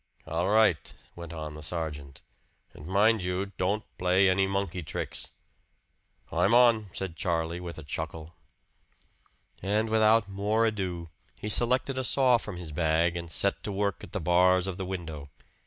"All right," went on the sergeant. "And mind you don't play any monkey tricks!" "I'm on," said Charlie with a chuckle. And without more ado he selected a saw from his bag and set to work at the bars of the window.